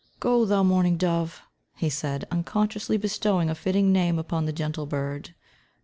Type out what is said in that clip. "Go, thou mourning dove," he said, unconsciously bestowing a fitting name upon the gentle bird.